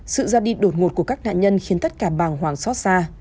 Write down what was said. sự ra đi đột ngột của các nạn nhân khiến tất cả bàng hoàng xót xa